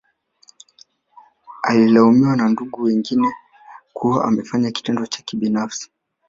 Alilaumiwa na ndugu wengine kuwa amefanya kitendo cha kibinafsi